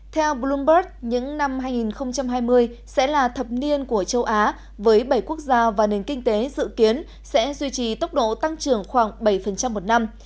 theo bloomberg những năm hai nghìn hai mươi sẽ là thập niên của châu á với bảy quốc gia và nền kinh tế dự kiến sẽ duy trì tốc độ tăng trưởng khoảng bảy một năm